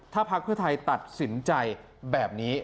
ถ้าภาคพิวทัยตัดสินใจแบบนี้